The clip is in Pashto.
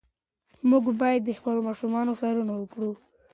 موږ باید د خپلو ماشومانو څارنه وکړو.